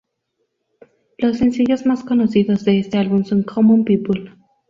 Los sencillos más conocidos de este álbum son "Common People".